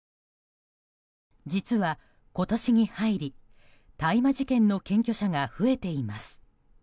実は今年に入り、大麻事件の検挙者が増えています。